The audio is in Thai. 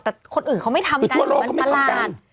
แต่คนอื่นเขาไม่ทำกันมันประหลาด